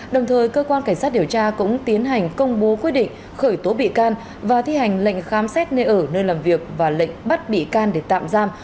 đồng thời cơ quan cảnh sát điều tra cũng tiến hành công bố quyết định khởi tố bị can và thi hành lệnh khám xét nơi ở nơi làm việc và lệnh bắt bị can để tạm giam